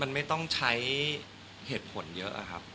มันไม่ต้องใช้เหตุผลเยอะครับ